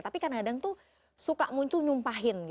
tapi kadang kadang tuh suka muncul nyumpahin